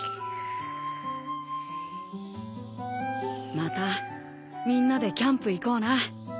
またみんなでキャンプ行こうな。